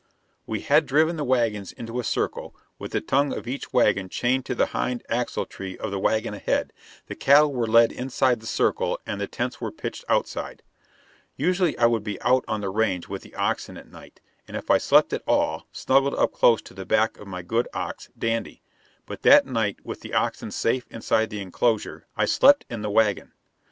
We had driven the wagons into a circle, with the tongue of each wagon chained to the hind axletree of the wagon ahead. The cattle were led inside the circle and the tents were pitched outside. [Illustration: A night out on the range.] Usually I would be out on the range with the oxen at night, and if I slept at all, snuggled up close to the back of my good ox, Dandy; but that night, with the oxen safe inside the enclosure, I slept in the wagon.